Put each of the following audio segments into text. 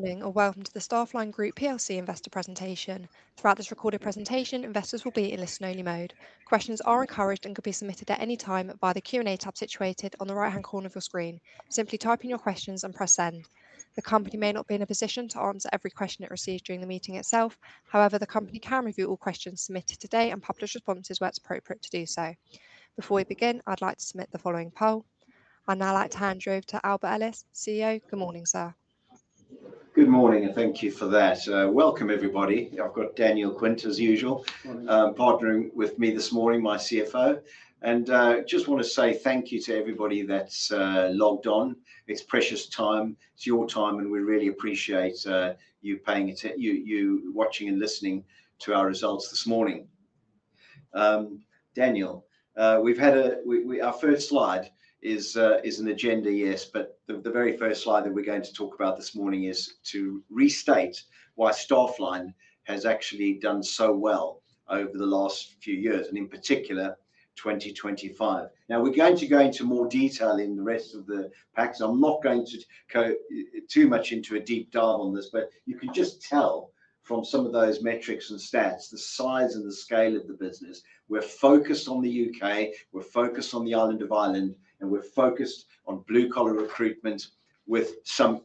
Morning, and welcome to the Staffline Group plc investor presentation. Throughout this recorded presentation, investors will be in listen-only mode. Questions are encouraged and can be submitted at any time via the Q&A tab situated on the right-hand corner of your screen. Simply type in your questions and press Send. The company may not be in a position to answer every question it receives during the meeting itself. However, the company can review all questions submitted today and publish responses where it's appropriate to do so. Before we begin, I'd like to submit the following poll. I'd now like to hand you over to Albert Ellis, CEO. Good morning, sir. Good morning and thank you for that. Welcome everybody. I've got Daniel Quint, as usual. Morning Partnering with me this morning, my CFO. Just wanna say thank you to everybody that's logged on. It's precious time. It's your time, and we really appreciate you watching and listening to our results this morning. Daniel, our first slide is an agenda, yes, but the very first slide that we're going to talk about this morning is to restate why Staffline has actually done so well over the last few years and, in particular, 2025. Now, we're going to go into more detail in the rest of the packs. I'm not going to go too much into a deep dive on this, but you can just tell from some of those metrics and stats the size and the scale of the business. We're focused on the U.K., we're focused on the island of Ireland, and we're focused on blue-collar recruitment with some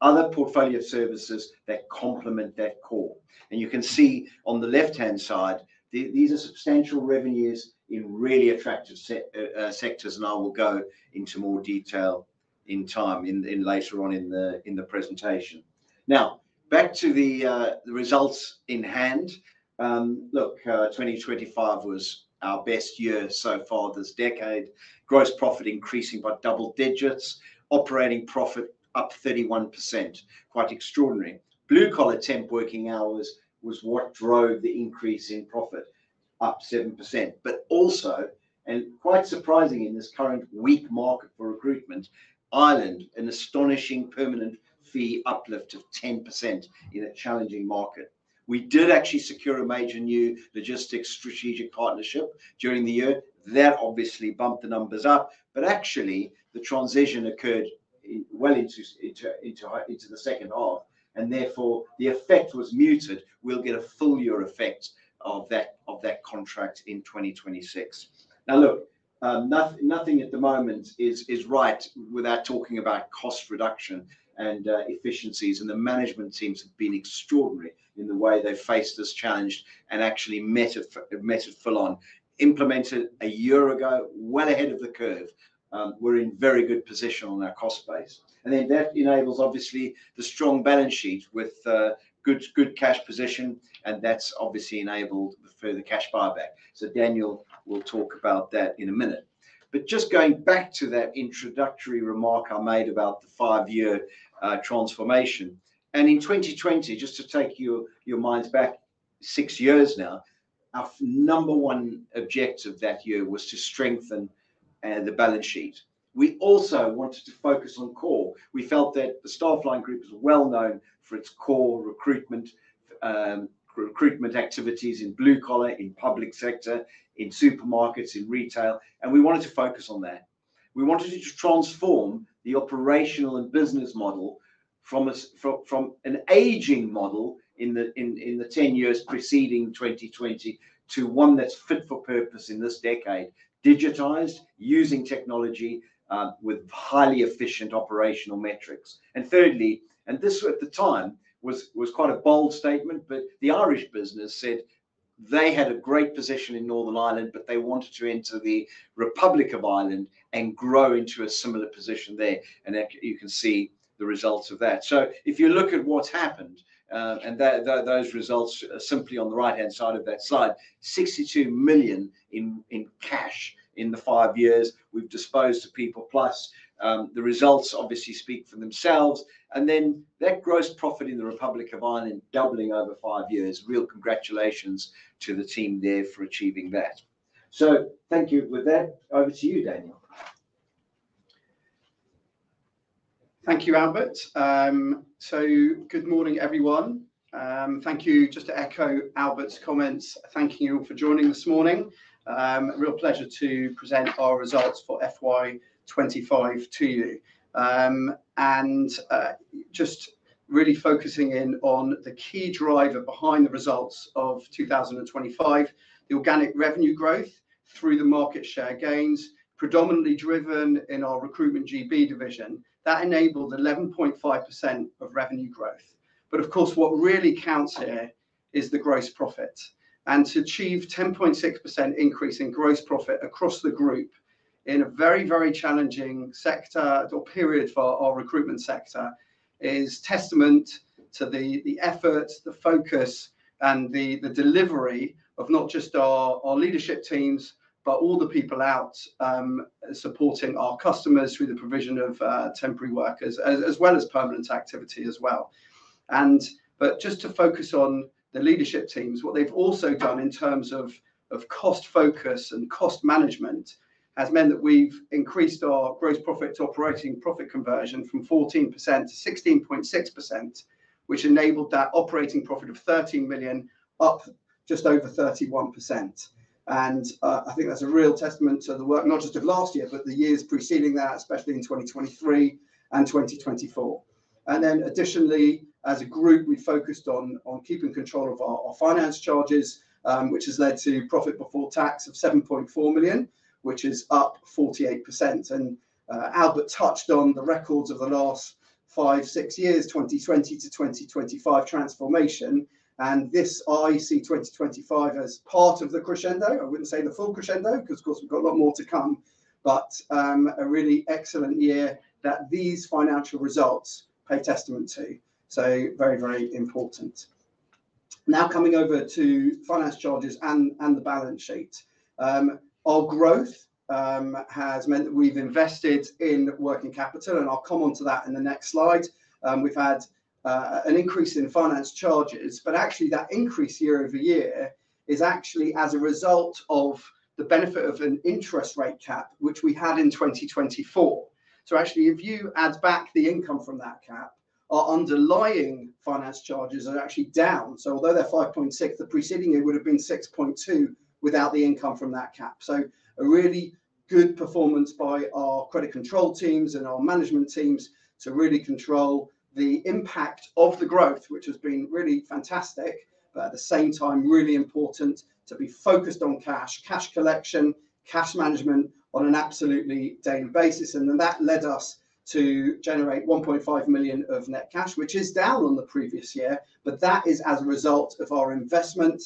other portfolio services that complement that core. You can see on the left-hand side, these are substantial revenues in really attractive sectors, and I will go into more detail later on in the presentation. Now, back to the results in hand. Look, 2025 was our best year so far this decade. Gross profit increasing by double digits. Operating profit up 31%, quite extraordinary. Blue-collar temp working hours was what drove the increase in profit, up 7%. Also, quite surprising in this current weak market for recruitment, Ireland, an astonishing permanent fee uplift of 10% in a challenging market. We did actually secure a major new logistics strategic partnership during the year. That obviously bumped the numbers up, but actually the transition occurred well into the second half, and therefore the effect was muted. We'll get a full year effect of that contract in 2026. Now look, nothing at the moment is right without talking about cost reduction and efficiencies, and the management teams have been extraordinary in the way they faced this challenge and actually met it full on. Implemented a year ago, well ahead of the curve. We're in very good position on our cost base. Then that enables obviously the strong balance sheet with good cash position, and that's obviously enabled the further cash buyback. Daniel will talk about that in a minute. Just going back to that introductory remark I made about the five-year transformation, and in 2020, just to take your minds back six years now, our number one objective that year was to strengthen the balance sheet. We also wanted to focus on core. We felt that the Staffline Group was well known for its core recruitment activities in blue collar, in public sector, in supermarkets, in retail, and we wanted to focus on that. We wanted to transform the operational and business model from an aging model in the 10 years preceding 2020 to one that's fit for purpose in this decade, digitized using technology with highly efficient operational metrics. Thirdly, and this at the time was quite a bold statement, but the Irish business said they had a great position in Northern Ireland, but they wanted to enter the Republic of Ireland and grow into a similar position there. You can see the results of that. If you look at what's happened, and those results are simply on the right-hand side of that slide, 62 million in cash in the five years we've disposed of PeoplePlus. The results obviously speak for themselves, that gross profit in the Republic of Ireland doubling over five years. Real congratulations to the team there for achieving that. Thank you. With that, over to you, Daniel. Thank you, Albert. Good morning, everyone. Thank you. Just to echo Albert's comments, thank you all for joining this morning. Real pleasure to present our results for FY 2025 to you. Just really focusing in on the key driver behind the results of 2025, the organic revenue growth through the market share gains, predominantly driven in our Recruitment GB division. That enabled 11.5% of revenue growth. Of course, what really counts here is the gross profit. To achieve 10.6% increase in gross profit across the group in a very, very challenging sector or period for our recruitment sector is testament to the effort, the focus, and the delivery of not just our leadership teams, but all the people out supporting our customers through the provision of temporary workers as well as permanent activity as well. Just to focus on the leadership teams, what they've also done in terms of cost focus and cost management has meant that we've increased our gross profit to operating profit conversion from 14% to 16.6%, which enabled that operating profit of 13 million up just over 31%. I think that's a real testament to the work, not just of last year, but the years preceding that, especially in 2023 and 2024. Additionally, as a group, we focused on keeping control of our finance charges, which has led to profit before tax of 7.4 million, which is up 48%. Albert touched on the records of the last five, six years, 2020 to 2025 transformation. This I see 2025 as part of the crescendo. I wouldn't say the full crescendo 'cause of course we've got a lot more to come, but a really excellent year that these financial results pay testament to. Very, very important. Now coming over to finance charges and the balance sheet. Our growth has meant that we've invested in working capital, and I'll come onto that in the next slide. We've had an increase in finance charges, but actually that increase year-over-year is actually as a result of the benefit of an interest rate cap which we had in 2024. Actually, if you add back the income from that cap, our underlying finance charges are actually down. Although they're 5.6 million, the preceding year would've been 6.2 million without the income from that cap. A really good performance by our credit control teams and our management teams to really control the impact of the growth, which has been really fantastic. At the same time, really important to be focused on cash collection, cash management on an absolutely daily basis. Then that led us to generate 1.5 million of net cash, which is down on the previous year. That is as a result of our investment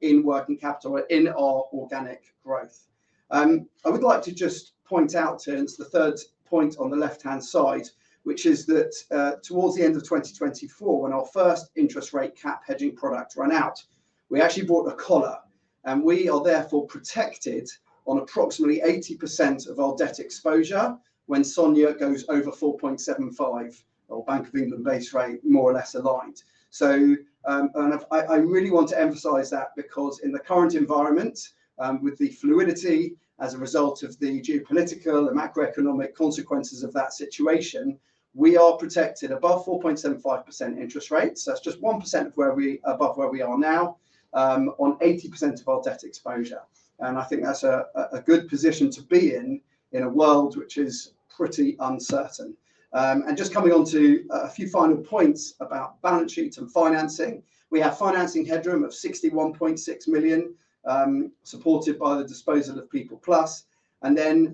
in working capital in our organic growth. I would like to just point out to, and it's the third point on the left-hand side, which is that, towards the end of 2024, when our first interest rate cap hedging product ran out, we actually bought a collar, and we are therefore protected on approximately 80% of our debt exposure when SONIA goes over 4.75 or Bank of England base rate, more or less aligned. I really want to emphasize that because in the current environment, with the fluidity as a result of the geopolitical and macroeconomic consequences of that situation, we are protected above 4.75% interest rates. That's just 1% above where we are now on 80% of our debt exposure. I think that's a good position to be in in a world which is pretty uncertain. Just coming onto a few final points about balance sheets and financing. We have financing headroom of 61.6 million supported by the disposal of PeoplePlus.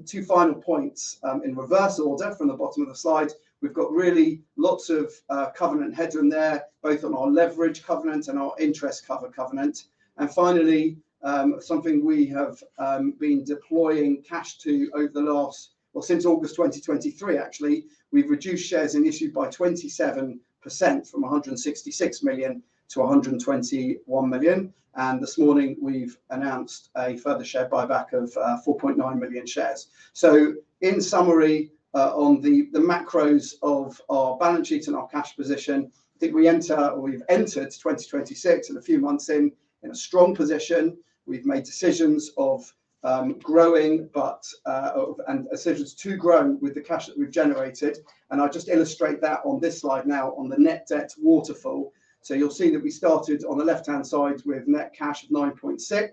Two final points in reverse order from the bottom of the slide. We've got really lots of covenant headroom there, both on our leverage covenant and our interest cover covenant. Finally, something we have been deploying cash to since August 2023 actually. We've reduced shares in issue by 27% from 166 million to 121 million. This morning we've announced a further share buyback of 4.9 million shares. In summary, on the macros of our balance sheet and our cash position, I think we enter or we've entered 2026 and a few months in a strong position. We've made decisions to grow with the cash that we've generated. I just illustrate that on this slide now on the net debt waterfall. You'll see that we started on the left-hand side with net cash of 9.6 million,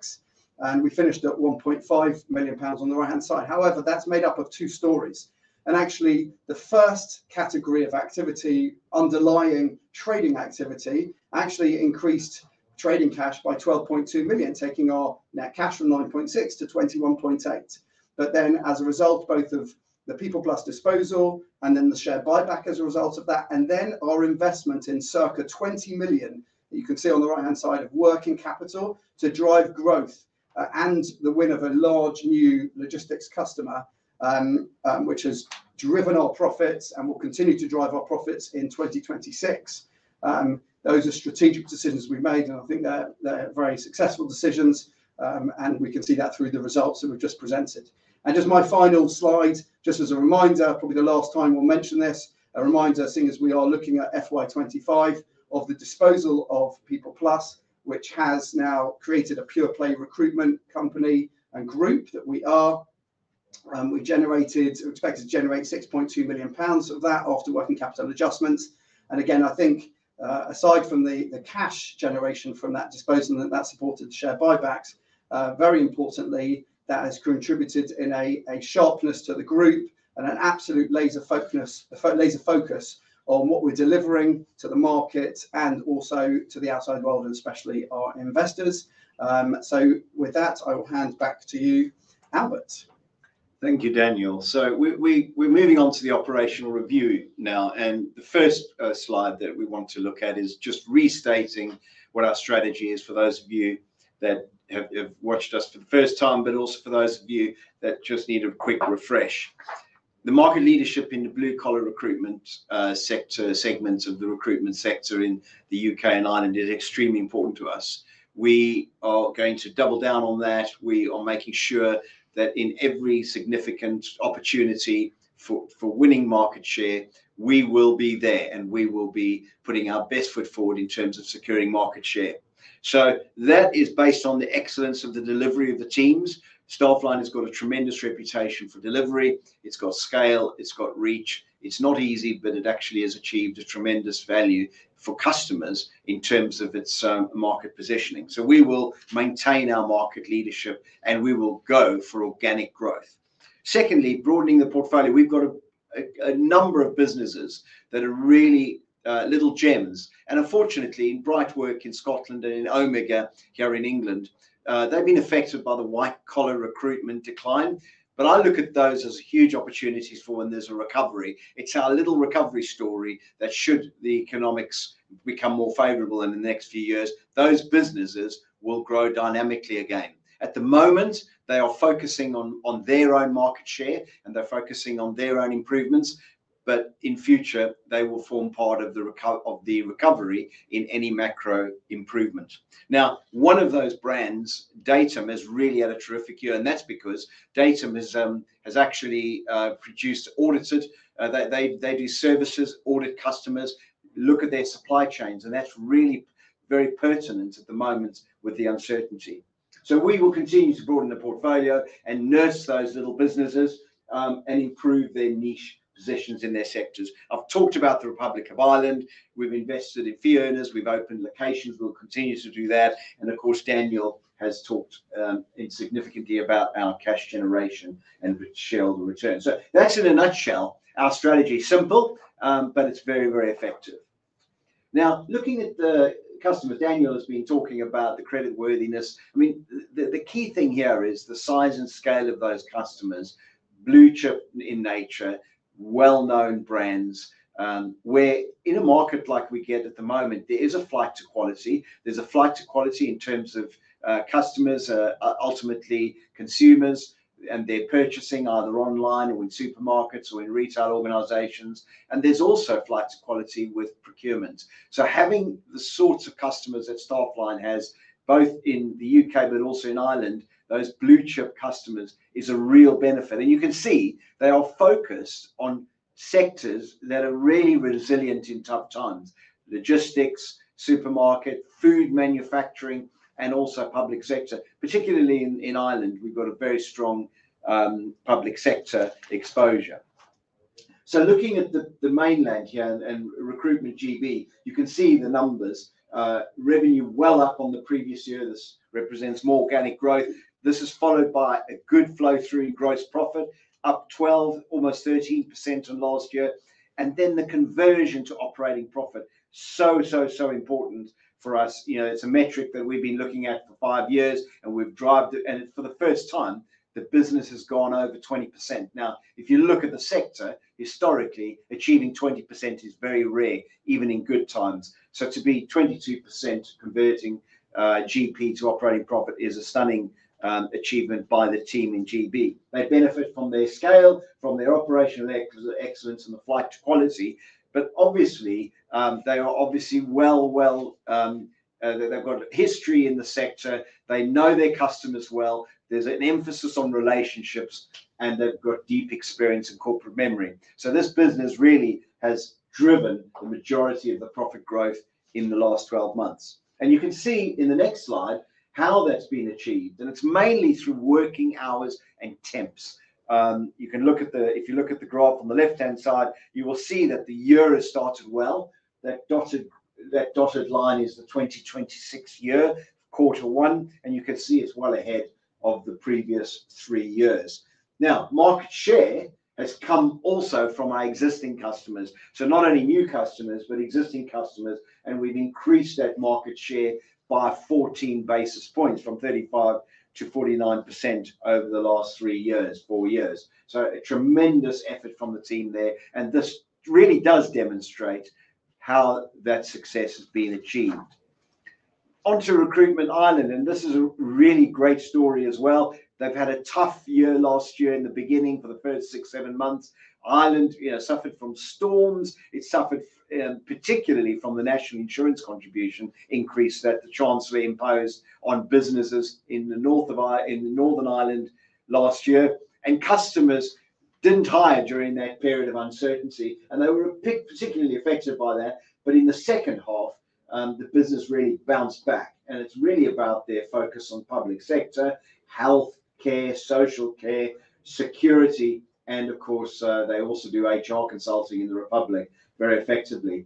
and we finished at 1.5 million pounds on the right-hand side. However, that's made up of two stories, and actually the first category of activity, underlying trading activity, actually increased trading cash by 12.2 million, taking our net cash from 9.6 million to 21.8 million. As a result both of the PeoplePlus disposal and then the share buyback as a result of that, and then our investment in circa 20 million, you can see on the right-hand side of working capital to drive growth, and the win of a large new logistics customer, which has driven our profits and will continue to drive our profits in 2026. Those are strategic decisions we've made, and I think they're very successful decisions. We can see that through the results that we've just presented. Just my final slide, just as a reminder, probably the last time we'll mention this, a reminder seeing as we are looking at FY 2025 of the disposal of PeoplePlus, which has now created a pure play recruitment company and group that we are. We expect to generate 6.2 million pounds of that after working capital adjustments. Again, I think, aside from the cash generation from that disposal and that supported the share buybacks, very importantly, that has contributed in a sharpness to the group and an absolute laser focus on what we're delivering to the market and also to the outside world, and especially our investors. With that, I will hand back to you, Albert. Thank you, Daniel. We're moving on to the operational review now. The first slide that we want to look at is just restating what our strategy is for those of you that have watched us for the first time, but also for those of you that just need a quick refresh. The market leadership in the blue-collar recruitment sector, segments of the recruitment sector in the U.K. and Ireland is extremely important to us. We are going to double down on that. We are making sure that in every significant opportunity for winning market share, we will be there, and we will be putting our best foot forward in terms of securing market share. That is based on the excellence of the delivery of the teams. Staffline has got a tremendous reputation for delivery. It's got scale, it's got reach. It's not easy, but it actually has achieved a tremendous value for customers in terms of its market positioning. We will maintain our market leadership, and we will go for organic growth. Secondly, broadening the portfolio. We've got a number of businesses that are really little gems. Unfortunately, in Brightwork in Scotland and in Omega here in England, they've been affected by the white-collar recruitment decline. I look at those as huge opportunities for when there's a recovery. It's our little recovery story that should the economics become more favorable in the next few years, those businesses will grow dynamically again. At the moment, they are focusing on their own market share, and they're focusing on their own improvements. In future, they will form part of the recovery in any macro improvement. Now, one of those brands, Datum, has really had a terrific year, and that's because Datum has actually produced audited. They do services, audit customers, look at their supply chains, and that's really very pertinent at the moment with the uncertainty. We will continue to broaden the portfolio and nurse those little businesses and improve their niche positions in their sectors. I've talked about the Republic of Ireland. We've invested in fee earners. We've opened locations. We'll continue to do that. Of course, Daniel has talked significantly about our cash generation and shareholder return. That's in a nutshell our strategy. Simple, but it's very, very effective. Now, looking at the customer, Daniel has been talking about the creditworthiness. I mean, the key thing here is the size and scale of those customers, blue-chip in nature, well-known brands, where in a market like we get at the moment, there is a flight to quality. There's a flight to quality in terms of, customers, ultimately consumers, and they're purchasing either online or in supermarkets or in retail organizations. There's also flight to quality with procurement. Having the sorts of customers that Staffline has, both in the U.K. but also in Ireland, those blue-chip customers is a real benefit. You can see they are focused on sectors that are really resilient in tough times. Logistics, supermarket, food manufacturing, and also public sector. Particularly in Ireland, we've got a very strong, public sector exposure. Looking at the mainland here and Recruitment GB, you can see the numbers. Revenue well up on the previous year. This represents more organic growth. This is followed by a good flow-through in gross profit, up 12%, almost 13% on last year. The conversion to operating profit is so important for us. You know, it's a metric that we've been looking at for five years, and we've driven it. For the first time, the business has gone over 20%. If you look at the sector, historically, achieving 20% is very rare, even in good times. To be 22% converting GP to operating profit is a stunning achievement by the team in GB. They benefit from their scale, from their operational excellence and the flight to quality. Obviously, they are obviously well. They've got history in the sector. They know their customers well. There's an emphasis on relationships, and they've got deep experience and corporate memory. This business really has driven the majority of the profit growth in the last 12 months. You can see in the next slide how that's been achieved, and it's mainly through working hours and temps. If you look at the graph on the left-hand side, you will see that the year has started well. That dotted line is the 2026 year, quarter one, and you can see it's well ahead of the previous three years. Now, market share has come also from our existing customers. Not only new customers, but existing customers, and we've increased that market share by 14 basis points from 35% to 49% over the last three years, four years. A tremendous effort from the team there, and this really does demonstrate how that success has been achieved. Onto Recruitment Ireland, and this is a really great story as well. They've had a tough year last year in the beginning for the first six, seven months. Ireland, you know, suffered from storms. It suffered particularly from the National Insurance contribution increase that the Chancellor imposed on businesses in the north of—in Northern Ireland last year. Customers didn't hire during that period of uncertainty, and they were particularly affected by that. In the second half, the business really bounced back, and it's really about their focus on public sector, healthcare, social care, security, and of course, they also do HR consulting in the Republic very effectively.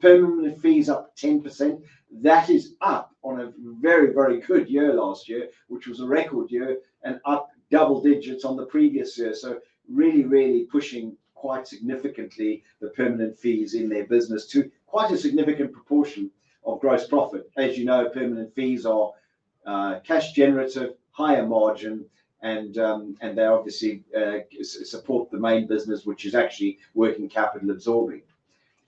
Permanent fees up 10%. That is up on a very, very good year last year, which was a record year, and up double digits on the previous year. Really, really pushing quite significantly the permanent fees in their business to quite a significant proportion of gross profit. As you know, permanent fees are cash generative, higher margin, and they obviously support the main business, which is actually working capital absorbing.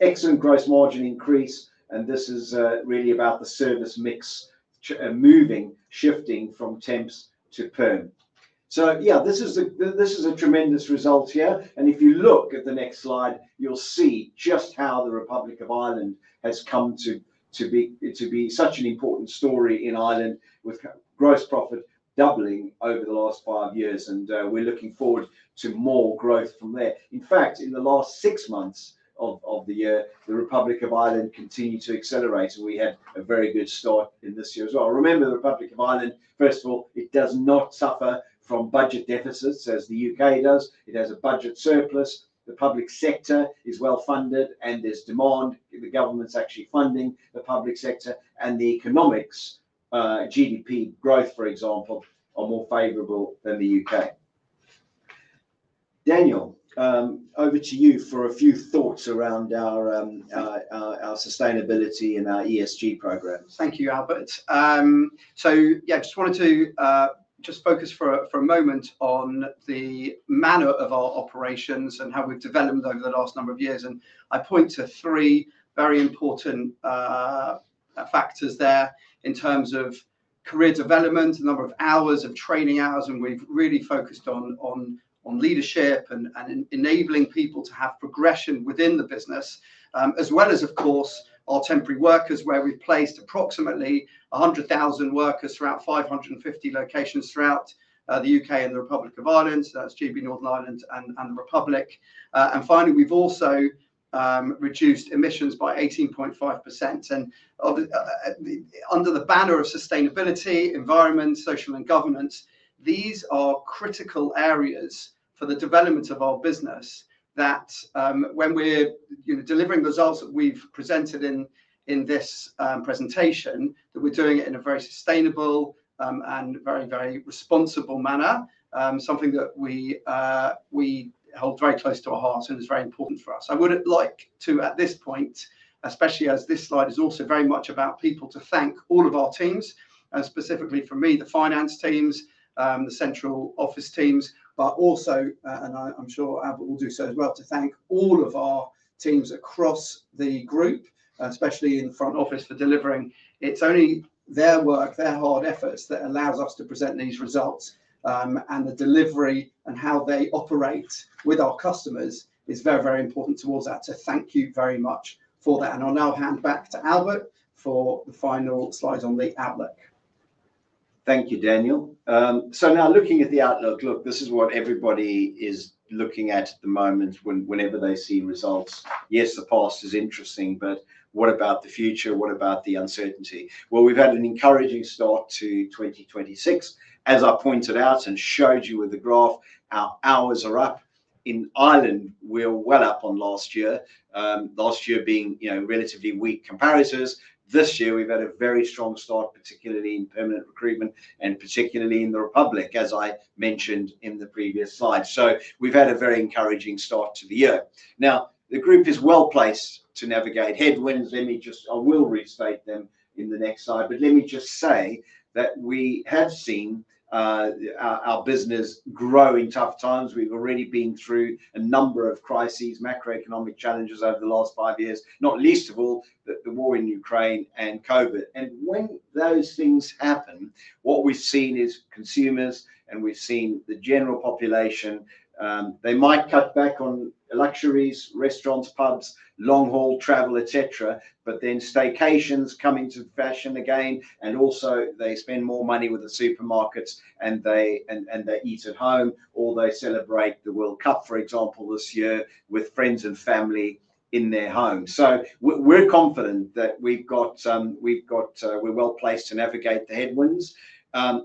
Excellent gross margin increase, and this is really about the service mix moving, shifting from temps to perm. Yeah, this is a tremendous result here. If you look at the next slide, you'll see just how the Republic of Ireland has come to be such an important story in Ireland with gross profit doubling over the last five years. We're looking forward to more growth from there. In fact, in the last six months of the year, the Republic of Ireland continued to accelerate, and we had a very good start in this year as well. Remember, the Republic of Ireland, first of all, it does not suffer from budget deficits as the U.K. does. It has a budget surplus. The public sector is well-funded, and there's demand. The government's actually funding the public sector. The economics, GDP growth, for example, are more favorable than the U.K. Daniel, over to you for a few thoughts around our sustainability and our ESG program. Thank you, Albert. Yeah, just wanted to just focus for a moment on the manner of our operations and how we've developed over the last number of years. I point to three very important factors there in terms of career development and number of hours and training hours, and we've really focused on leadership and enabling people to have progression within the business. As well as, of course, our temporary workers, where we've placed approximately 100,000 workers throughout 550 locations throughout the U.K. and the Republic of Ireland. That's GB, Northern Ireland and the Republic. Finally, we've also reduced emissions by 18.5% under the banner of sustainability, environment, social, and governance. These are critical areas for the development of our business that, when we're, you know, delivering results that we've presented in this presentation, that we're doing it in a very sustainable and very responsible manner. Something that we hold very close to our hearts and is very important for us. I would like to at this point, especially as this slide is also very much about people, to thank all of our teams and specifically from me, the finance teams, the central office teams, but also, and I'm sure Albert will do so as well, to thank all of our teams across the group, especially in the front office for delivering. It's only their work, their hard efforts that allows us to present these results, and the delivery and how they operate with our customers is very, very important towards that. Thank you very much for that. I'll now hand back to Albert for the final slides on the outlook. Thank you, Daniel. Now looking at the outlook. Look, this is what everybody is looking at at the moment whenever they see results. Yes, the past is interesting, but what about the future? What about the uncertainty? Well, we've had an encouraging start to 2026. As I pointed out and showed you with the graph, our hours are up. In Ireland, we're well up on last year. Last year being, you know, relatively weak comparators. This year we've had a very strong start, particularly in permanent recruitment and particularly in the Republic, as I mentioned in the previous slide. We've had a very encouraging start to the year. Now, the group is well-placed to navigate headwinds. Let me just I will restate them in the next slide, but let me just say that we have seen our business grow in tough times. We've already been through a number of crises, macroeconomic challenges over the last five years, not least of all, the war in Ukraine and COVID. When those things happen, what we've seen is consumers, and we've seen the general population, they might cut back on luxuries, restaurants, pubs, long-haul travel, et cetera, but then staycations come into fashion again. They spend more money with the supermarkets, and they eat at home, or they celebrate the World Cup, for example, this year with friends and family in their home. We're confident that we're well-placed to navigate the headwinds.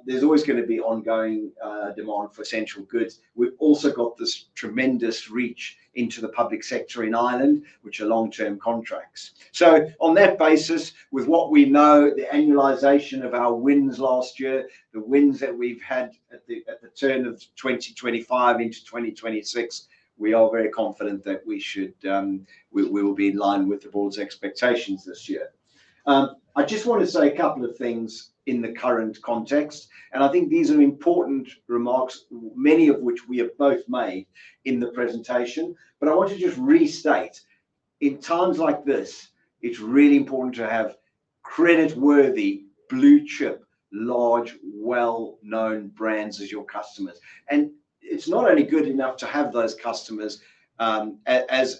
There's always gonna be ongoing demand for essential goods. We've also got this tremendous reach into the public sector in Ireland, which are long-term contracts. On that basis, with what we know, the annualization of our wins last year, the wins that we've had at the turn of 2025 into 2026, we are very confident that we will be in line with the board's expectations this year. I just want to say a couple of things in the current context, and I think these are important remarks, many of which we have both made in the presentation. I want to just restate, in times like this, it's really important to have creditworthy, blue-chip, large, well-known brands as your customers. It's not only good enough to have those customers, as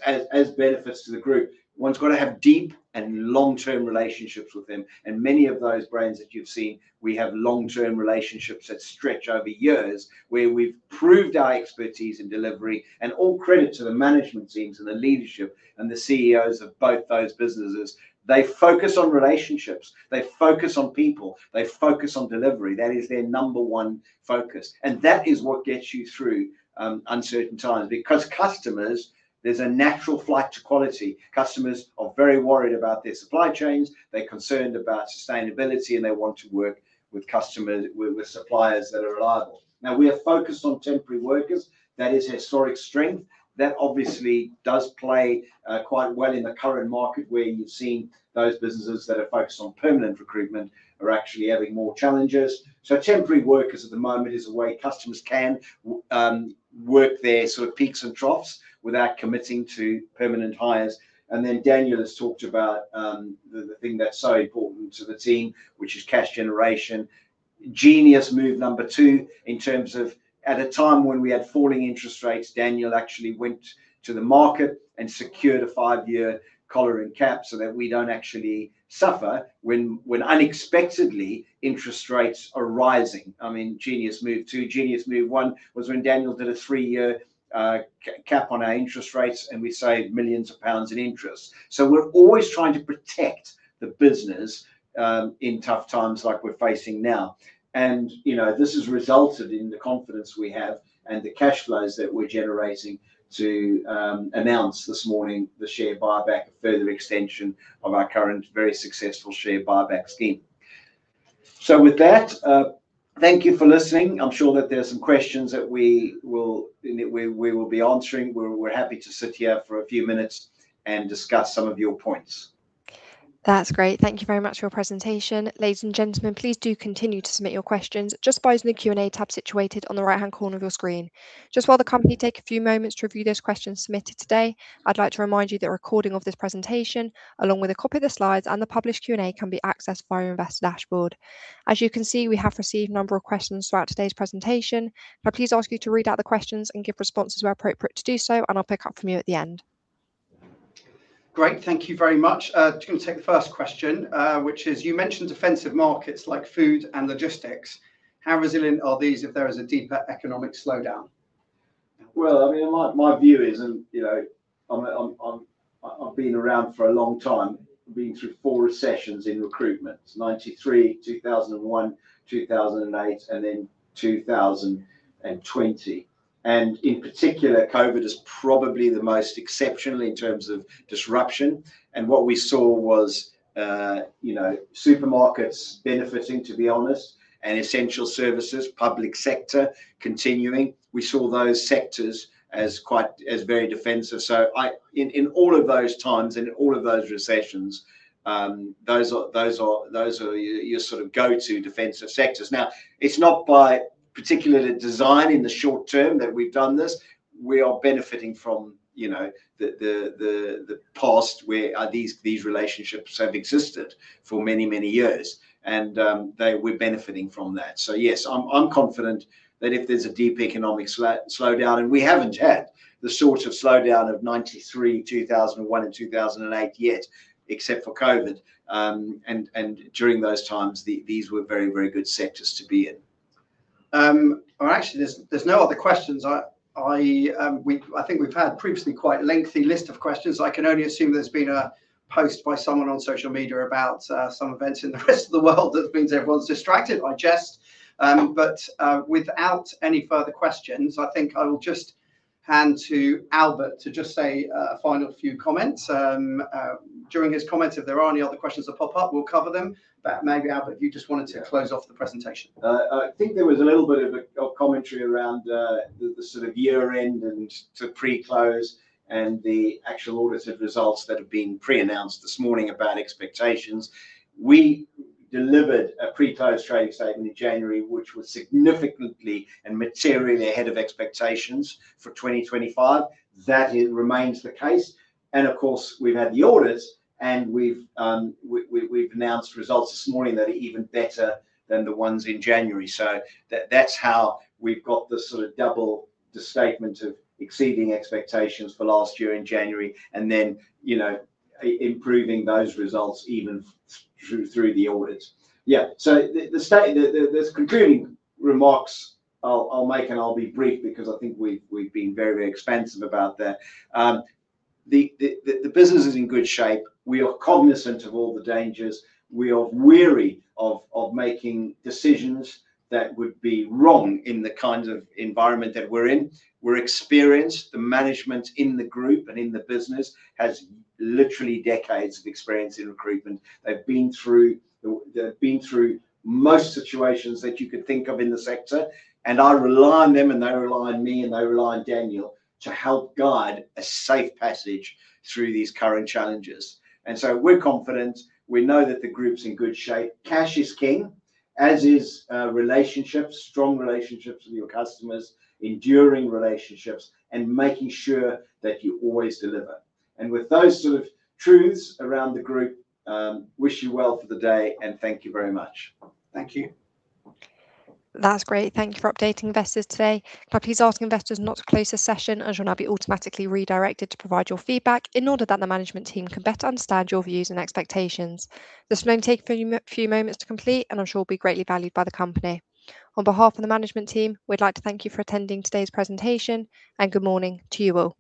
benefits to the group. One's got to have deep and long-term relationships with them. Many of those brands that you've seen, we have long-term relationships that stretch over years, where we've proved our expertise in delivery. All credit to the management teams and the leadership and the CEOs of both those businesses. They focus on relationships, they focus on people, they focus on delivery. That is their number one focus, and that is what gets you through uncertain times. Because customers, there's a natural flight to quality. Customers are very worried about their supply chains. They're concerned about sustainability, and they want to work with suppliers that are reliable. Now, we are focused on temporary workers. That is a historic strength. That obviously does play quite well in the current market where you've seen those businesses that are focused on permanent recruitment are actually having more challenges. Temporary workers at the moment is a way customers can work their sort of peaks and troughs without committing to permanent hires. Then Daniel has talked about the thing that's so important to the team, which is cash generation. Genius move number two in terms of at a time when we had falling interest rates, Daniel actually went to the market and secured a five-year collar and cap so that we don't actually suffer when unexpectedly interest rates are rising. I mean, genius move two. Genius move one was when Daniel did a 3-year cap on our interest rates, and we saved millions pounds in interest. We're always trying to protect the business in tough times like we're facing now. You know, this has resulted in the confidence we have and the cash flows that we're generating to announce this morning the share buyback, a further extension of our current very successful share buyback scheme. With that, thank you for listening. I'm sure that there's some questions that we will be answering. We're happy to sit here for a few minutes and discuss some of your points. That's great. Thank you very much for your presentation. Ladies and gentlemen, please do continue to submit your questions just by using the Q&A tab situated on the right-hand corner of your screen. Just while the company take a few moments to review those questions submitted today, I'd like to remind you that a recording of this presentation, along with a copy of the slides and the published Q&A, can be accessed via your investor dashboard. As you can see, we have received a number of questions throughout today's presentation. Can I please ask you to read out the questions and give responses where appropriate to do so, and I'll pick up from you at the end. Great. Thank you very much. Just gonna take the first question, which is, you mentioned defensive markets like food and logistics. How resilient are these if there is a deeper economic slowdown? Well, I mean, my view is, you know, I've been around for a long time, been through four recessions in recruitment. 1993, 2001, 2008, and then 2020. In particular, COVID is probably the most exceptional in terms of disruption. What we saw was, you know, supermarkets benefiting, to be honest, and essential services, public sector continuing. We saw those sectors as very defensive. I, in all of those times and in all of those recessions, those are your sort of go-to defensive sectors. Now, it's not by particular design in the short term that we've done this. We are benefiting from, you know, the past where these relationships have existed for many, many years and we're benefiting from that. Yes, I'm confident that if there's a deep economic slowdown, and we haven't had the sort of slowdown of 1993, 2001, and 2008 yet, except for COVID, and during those times, these were very, very good sectors to be in. Well, actually there's no other questions. I think we've had previously quite a lengthy list of questions. I can only assume there's been a post by someone on social media about some events in the rest of the world that means everyone's distracted. I jest. Without any further questions, I think I will just hand to Albert to just say a final few comments. During his comments, if there are any other questions that pop up, we'll cover them. Maybe, Albert, if you just wanted to close off the presentation. I think there was a little bit of commentary around the sort of year-end and the pre-close and the actual audits of results that have been pre-announced this morning about expectations. We delivered a pre-close trading statement in January, which was significantly and materially ahead of expectations for 2025. That remains the case. Of course, we've had the auditors and we've announced results this morning that are even better than the ones in January. That's how we've sort of doubled the statement of exceeding expectations for last year in January and then, you know, improving those results even through the audits. The concluding remarks, I'll be brief because I think we've been very expansive about that. The business is in good shape. We are cognizant of all the dangers. We are wary of making decisions that would be wrong in the kinds of environment that we're in. We're experienced. The management in the group and in the business has literally decades of experience in recruitment. They've been through most situations that you could think of in the sector, and I rely on them, and they rely on me, and they rely on Daniel to help guide a safe passage through these current challenges. We're confident. We know that the group's in good shape. Cash is king, as is relationships, strong relationships with your customers, enduring relationships, and making sure that you always deliver. With those sort of truths around the group, I wish you well for the day, and thank you very much. Thank you. That's great. Thank you for updating investors today. Can I please ask investors not to close the session, as you'll now be automatically redirected to provide your feedback in order that the management team can better understand your views and expectations. This will only take a few moments to complete and I'm sure will be greatly valued by the company. On behalf of the management team, we'd like to thank you for attending today's presentation, and good morning to you all.